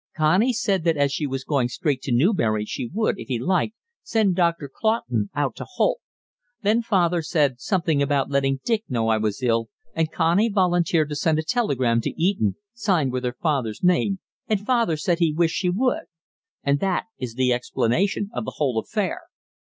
Connie said that as she was going straight to Newbury she would, if he liked, send Doctor Claughton out to Holt. Then father said something about letting Dick know I was ill, and Connie volunteered to send a telegram to Eton, signed with father's name, and father said he wished she would. And that is the explanation of the whole affair."